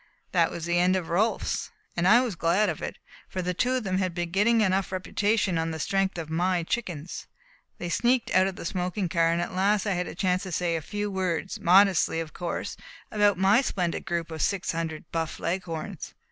That was the end of Rolfs, and I was glad of it, for the two of them had been getting enough reputation on the strength of my chickens. They sneaked out of the smoking car, and at last I had a chance to say a few words, modestly of course, about my splendid group of six hundred Buff Leghorns.